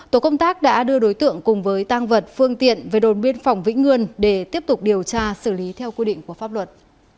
tổ công tác đã đưa đối tượng cùng với tăng vật phương tiện về đồn biên phòng vĩnh ngươn để tiếp tục điều tra xử lý theo quy định của pháp luật